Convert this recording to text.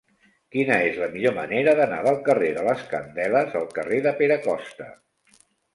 Quina és la millor manera d'anar del carrer de les Candeles al carrer de Pere Costa?